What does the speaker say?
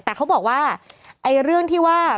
แต่เขาบอกว่าไอ้เรื่องที่ว่า